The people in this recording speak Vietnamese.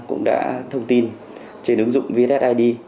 cũng đã thông tin trên ứng dụng bssid